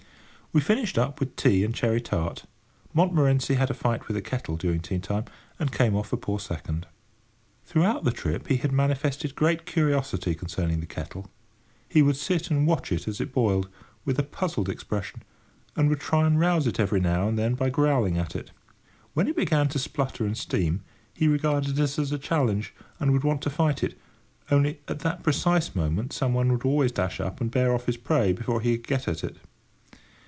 We finished up with tea and cherry tart. Montmorency had a fight with the kettle during tea time, and came off a poor second. Throughout the trip, he had manifested great curiosity concerning the kettle. He would sit and watch it, as it boiled, with a puzzled expression, and would try and rouse it every now and then by growling at it. When it began to splutter and steam, he regarded it as a challenge, and would want to fight it, only, at that precise moment, some one would always dash up and bear off his prey before he could get at it.